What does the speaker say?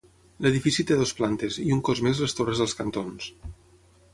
L'edifici té dues plantes, i un cos més les torres dels cantons.